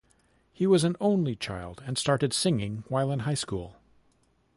He was an only child and started singing while in high school.